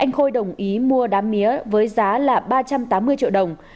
anh khôi đồng ý mua đám mía với giá là ba trăm tám mươi triệu đồng